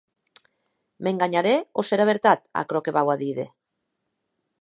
M’enganharè o serà vertat aquerò que vau a díder?